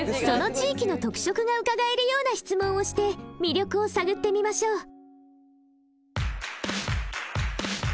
その地域の特色がうかがえるような質問をして魅力を探ってみましょう。